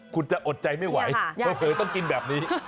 คุณจะอดใจไม่ไหวเผลอต้องกินแบบนี้